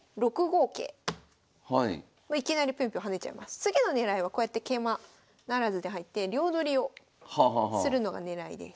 次の狙いはこうやって桂馬不成で入って両取りをするのが狙いです。